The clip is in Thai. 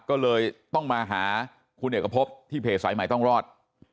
ก็เลยต้องมาหาคุณเอกพบที่เพจสายใหม่ต้องรอด